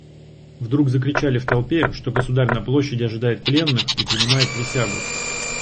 Вдруг закричали в толпе, что государь на площади ожидает пленных и принимает присягу.